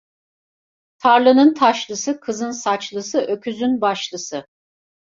Tarlanın taşlısı, kızın saçlısı, öküzün başlısı.